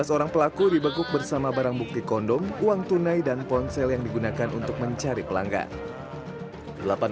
tiga belas orang pelaku dibekuk bersama barang bukti kondom uang tunai dan ponsel yang digunakan untuk mencari pelanggan delapan